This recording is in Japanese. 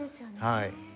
はい。